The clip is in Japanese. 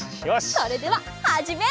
それでははじめ！